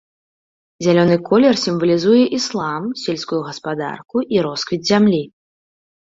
Зялёны колер сімвалізуе іслам, сельскую гаспадарку і росквіт зямлі.